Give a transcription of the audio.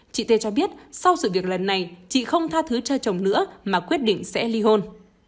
chị t a t cho biết sau sự việc lần này chị không tha thứ cho chồng nữa mà quyết định sẽ ly hôn